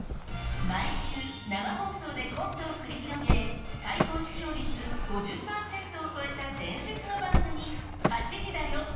毎週、生放送でコントを繰り広げ、最高視聴率５０％を超えた伝説の番組、８時だョ！